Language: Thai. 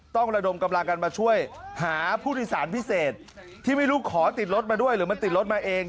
ระดมกำลังกันมาช่วยหาผู้โดยสารพิเศษที่ไม่รู้ขอติดรถมาด้วยหรือมันติดรถมาเอง